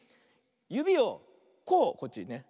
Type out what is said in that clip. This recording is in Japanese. ゆびをこうこっちにね。